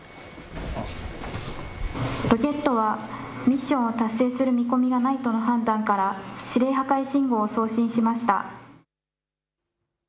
ロケットはミッションを達成する見込みがないとの判断から、指令破壊信号を送信しました。